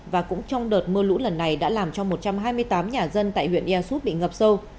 và cũng trong đợt mưa lũ lần này đã làm cho một trăm hai mươi tám nhà dân tại huyện ia súp bị ngập sâu